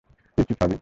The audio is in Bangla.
তুই কী খাবি?